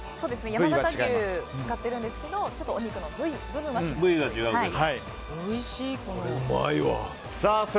山形牛を使っているんですがちょっとお肉の部位は違います。